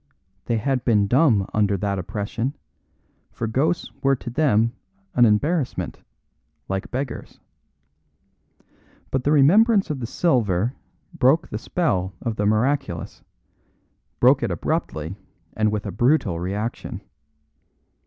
They had been dumb under that oppression, for ghosts were to them an embarrassment, like beggars. But the remembrance of the silver broke the spell of the miraculous; broke it abruptly and with a brutal reaction.